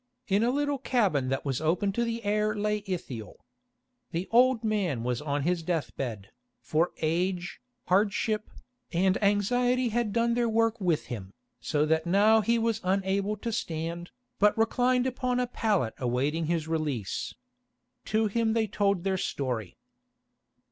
In a little cabin that was open to the air lay Ithiel. The old man was on his death bed, for age, hardship, and anxiety had done their work with him, so that now he was unable to stand, but reclined upon a pallet awaiting his release. To him they told their story.